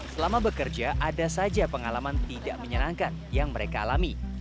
selama bekerja ada saja pengalaman tidak menyenangkan yang mereka alami